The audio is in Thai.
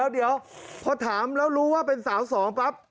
เดี๋ยวพอถามแล้วรู้ว่าเป็นสาวสองปั๊บ